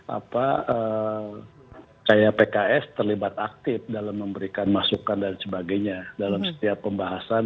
apa kayak pks terlibat aktif dalam memberikan masukan dan sebagainya dalam setiap pembahasan